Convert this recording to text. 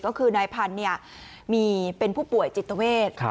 ก็คือนายพันธุ์มีเป็นผู้ป่วยจิตเวท